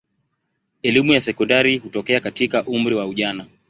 Elimu ya sekondari hutokea katika umri wa ujana.